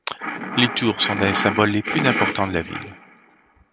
Les tours sont un des symboles les plus importants de la ville.